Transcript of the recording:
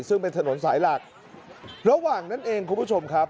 ซึ่งเป็นถนนสายหลักระหว่างนั้นเองคุณผู้ชมครับ